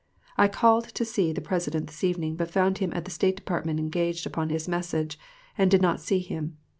I called to see the President this evening, but found him at the State Department engaged upon his message, and did not see him.